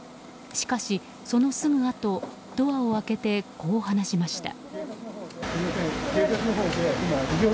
しかし、そのすぐあとドアを開けてこう話しました。